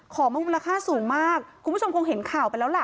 ของมันมูลค่าสูงมากคุณผู้ชมคงเห็นข่าวไปแล้วล่ะ